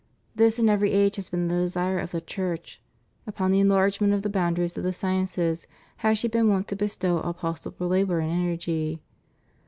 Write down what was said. This in every age has been the desire of the Church; upon the enlargement of the boundaries of the sciences has she been wont to bestow all possible labor and energy.